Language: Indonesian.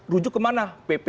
rujuk ke mana